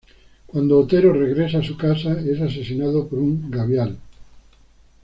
Cuando Otero regresa a su casa, es asesinado por un Gavial.